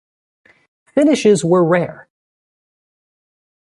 Finishes were rare.